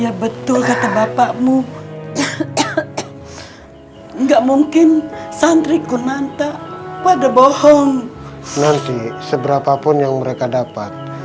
ya betul kata bapakmu nggak mungkin santriku manta pada bohong nanti seberapapun yang mereka dapat